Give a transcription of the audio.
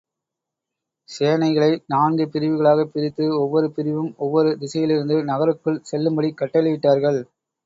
சேனைகளை நான்கு பிரிவுகளாகப் பிரித்து ஒவ்வொரு பிரிவும், ஒவ்வொரு திசையிலிருந்து நகருக்குள் செல்லும்படிக் கட்டளையிட்டார்கள்.